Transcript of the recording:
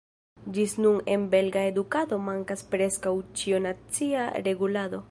Ĝis nun en belga edukado mankas preskaŭ ĉiu nacia regulado.